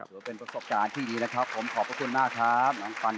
ถูกมีประสบการณ์ที่ดีแล้วครับขอบคุณมากครับล่างพลัน